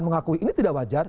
mengakui ini tidak wajar